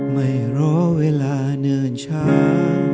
ไม่รอเวลาเนิ่นช้า